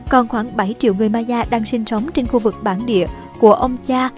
còn khoảng bảy triệu người maya đang sinh sống trên khu vực bản địa của ông cha